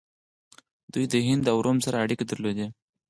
دوی د هند او روم سره اړیکې درلودې